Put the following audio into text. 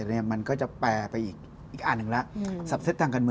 ดูเป็นประชาธิปไตรมากเลยคุณอนุทิศ